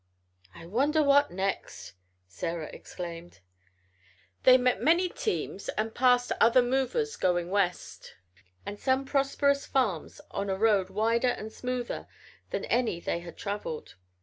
"I wonder what next!" Sarah exclaimed. They met many teams and passed other movers going west, and some prosperous farms on a road wider and smoother than any they had traveled.